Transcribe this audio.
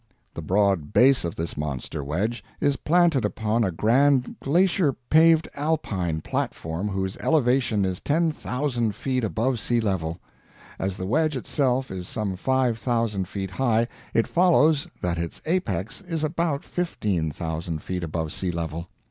The broad base of this monster wedge is planted upon a grand glacier paved Alpine platform whose elevation is ten thousand feet above sea level; as the wedge itself is some five thousand feet high, it follows that its apex is about fifteen thousand feet above sea level.